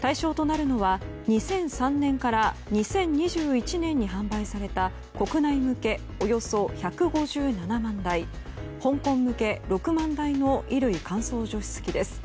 対象となるのは２００３年から２０２１年に販売された国内向けおよそ１５７万台香港向け６万台の衣類乾燥除湿器です。